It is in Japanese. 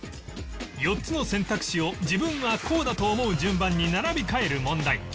４つの選択肢を自分はこうだと思う順番に並び替える問題